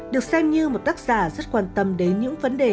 được xem như một tác giả rất quan tâm đến những vấn đề